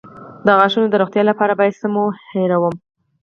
د غاښونو د روغتیا لپاره باید څه مه هیروم؟